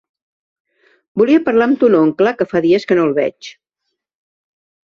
Volia parlar amb ton oncle, que fa dies que no el veig.